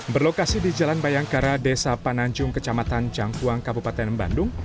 berlokasi di jalan bayangkara desa pananjung kecamatan jangkuang kabupaten bandung